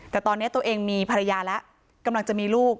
แต่ตอนนี้ตัวเองมีภรรยาแล้วกำลังจะมีลูก